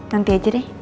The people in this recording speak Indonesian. nanti aja deh